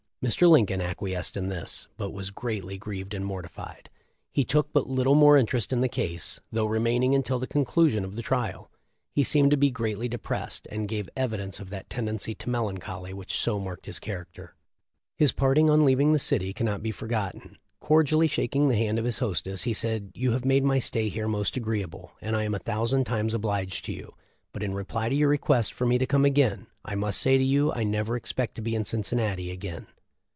Mr. Lin coln acquiesced in this, but was greatly grieved and mortified ; he took but little more interes in the case, though remaining until the conclusion of the trial. He seemed to be greatly depressed, and gave evidence of that tendency to melancholy THE LIFE OF LINCOLN. 355 which so marked his character. His parting on leaving the city cannot be forgotten. Cordially shaking the hand of his hostess he said : 'You have made my stay here most agreeable, and I am a thousand times obliged to you ; but in reply to your request for me to come again, I must say to you I never expect to be in Cincinnati again.